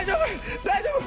大丈夫？